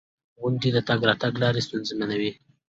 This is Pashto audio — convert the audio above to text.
• غونډۍ د تګ راتګ لارې ستونزمنوي.